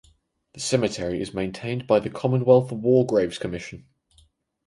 The cemetery is maintained by the Commonwealth War Graves Commission.